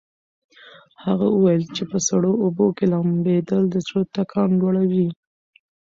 هغه وویل چې په سړو اوبو کې لامبېدل د زړه ټکان لوړوي.